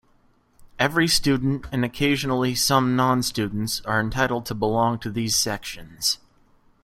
Every student, and occasionally some non-students, are entitled to belong to these sections.